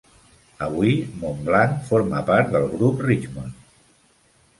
Avui, Montblanc forma part del grup Richemont.